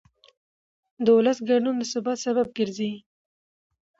د ولس ګډون د ثبات سبب ګرځي